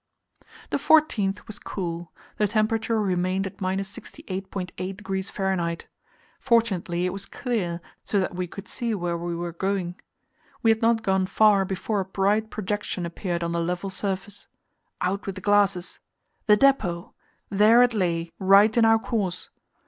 The 14th was cool the temperature remained at 68.8° F. Fortunately it was clear, so that we could see where we were going. We had not gone far before a bright projection appeared on the level surface. Out with the glasses the depot! There it lay, right in our course.